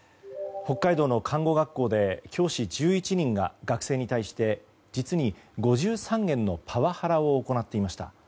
北海道の看護学校で教師１１人が学生に対して実に５３件のパワハラを行っていました。